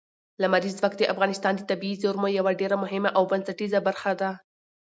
لمریز ځواک د افغانستان د طبیعي زیرمو یوه ډېره مهمه او بنسټیزه برخه ده.